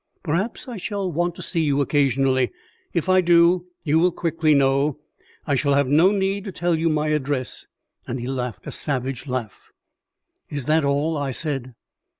Perhaps I shall want to see you occasionally. If I do, you will quickly know. I shall have no need to tell you my address;" and he laughed a savage laugh. "Is that all?" I said.